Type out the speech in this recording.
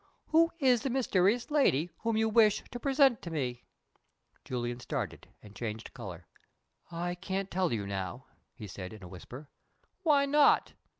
Who is the mysterious 'lady' whom you wish to present to me?" Julian started, and changed color. "I can't tell you now," he said, in a whisper. "Why not?"